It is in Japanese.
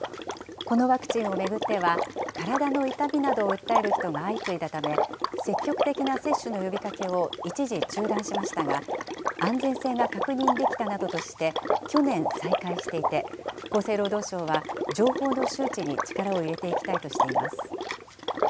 このワクチンを巡っては、体の痛みなどを訴える人が相次いだため、積極的な接種の呼びかけを一時中断しましたが、安全性が確認できたなどとして、去年再開していて、厚生労働省は、情報の周知に力を入れていきたいとしています。